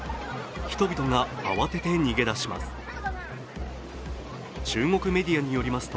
人々が慌てて逃げだします。